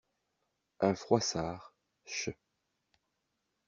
un Froissart, ch.